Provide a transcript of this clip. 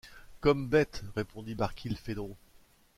Comme bête, répondit Barkilphedro.